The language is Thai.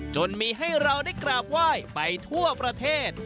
จนมีให้เราได้กราบไหว้ไปทั่วประเทศ